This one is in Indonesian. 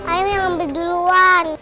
ayam yang ambil duluan